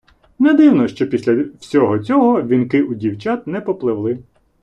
Не дивно, що після всього цього вінки у дівчат не попливли.